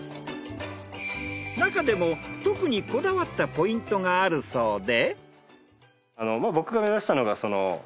なかでも特にこだわったポイントがあるそうで。